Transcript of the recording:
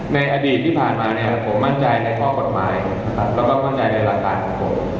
ในอดีตที่ผ่านมาผมมั่นใจในฐานกฏหมายก็มั่นใจในหลังการของผม